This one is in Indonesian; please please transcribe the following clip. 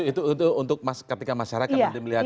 itu untuk ketika masyarakat melihatnya